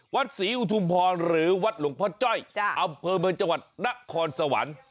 วัดศรีอุทุมพรหรือวัดหลวงพ่อจ้อยอำเภอเมืองจังหวัดนครสวรรค์